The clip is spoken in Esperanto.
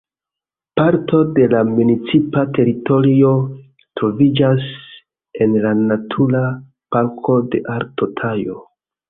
Parto de la municipa teritorio troviĝas en la Natura Parko de Alto Tajo.